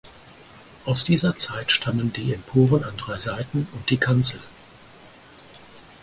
Aus dieser Zeit stammen die Emporen an drei Seiten und die Kanzel.